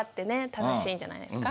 楽しいんじゃないですか。